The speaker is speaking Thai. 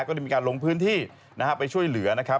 ก็ได้มีการลงพื้นที่ไปช่วยเหลือนะครับ